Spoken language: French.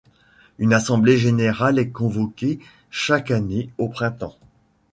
Une assemblée générale est convoquée chaque année au printemps.